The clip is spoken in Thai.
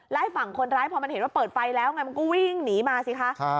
และฝั่งคนร้ายพอมันเห็นว่าเปิดไฟแล้วไงมันก็วิ่งหนีมาสิคะ